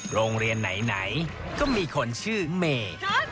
โรงเรียนไหนก็มีคนชื่อเมย์